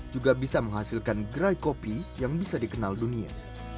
juga bisa menghasilkan gerai kopi yang bisa dikenal dunia